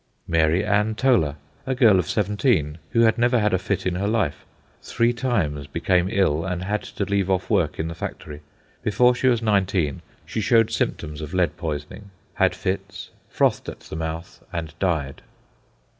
Mary Ann Toler—a girl of seventeen, who had never had a fit in her life—three times became ill, and had to leave off work in the factory. Before she was nineteen she showed symptoms of lead poisoning—had fits, frothed at the mouth, and died.